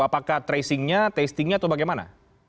apakah tracingnya testingnya atau bagaimana